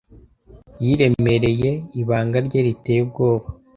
Yiremereye ibanga rye riteye ubwoba.